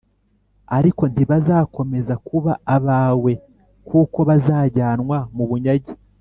ariko ntibazakomeza kuba abawe kuko bazajyanwa mu bunyage